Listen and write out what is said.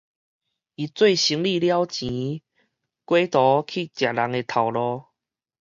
伊做生理了錢，改途去食人的頭路